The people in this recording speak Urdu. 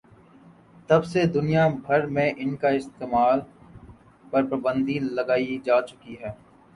تب سے دنیا بھر میں ان کے استعمال پر پابندی لگائی جاچکی ہے